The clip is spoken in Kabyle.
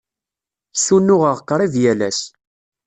Ssunuɣeɣ qrib yal ass.